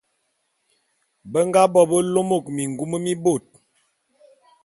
Be nga bo be lômôk mingum mi bôt.